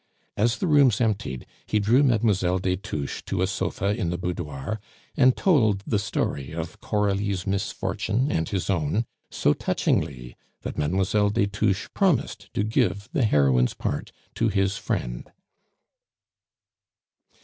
As the rooms emptied, he drew Mlle. des Touches to a sofa in the boudoir, and told the story of Coralie's misfortune and his own so touchingly, that Mlle. des Touches promised to give the heroine's part to his friend.